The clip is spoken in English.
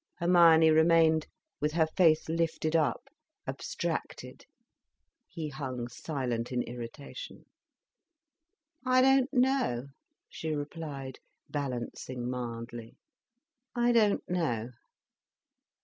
Hermione remained with her face lifted up, abstracted. He hung silent in irritation. "I don't know," she replied, balancing mildly. "I don't know."